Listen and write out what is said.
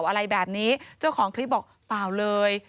อะไรแบบนี้เจ้าของคลิปบอกเปล่าเลย